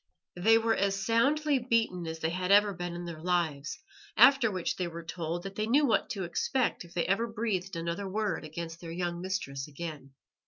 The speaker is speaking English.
They were as soundly beaten as they had ever been in their lives, after which they were told that they knew what to expect if they ever breathed another word against their young mistress again.